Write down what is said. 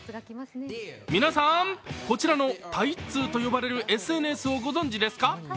皆さん、こちらのタイッツーと呼ばれるＳＮＳをご存じですか。